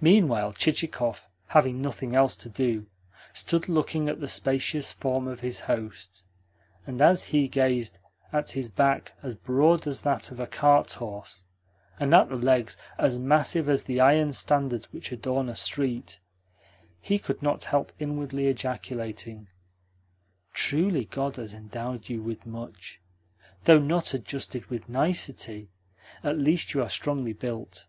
Meanwhile Chichikov, having nothing else to do, stood looking at the spacious form of his host; and as he gazed at his back as broad as that of a cart horse, and at the legs as massive as the iron standards which adorn a street, he could not help inwardly ejaculating: "Truly God has endowed you with much! Though not adjusted with nicety, at least you are strongly built.